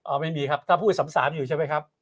อ่าไม่มีครับถ้าพูดสามสามอยู่ใช่ไหมครับ